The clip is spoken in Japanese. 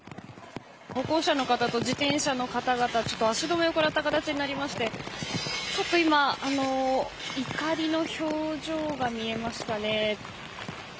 歩行者との方と自転車の方々足止めを食らった形になりましてちょっと今怒りの表情が見えましたね。